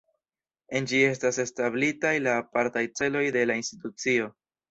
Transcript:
En ĝi estas establitaj la apartaj celoj de la institucio.